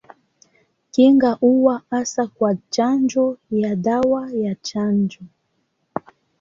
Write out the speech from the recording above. Kinga huwa hasa kwa chanjo ya dawa ya chanjo.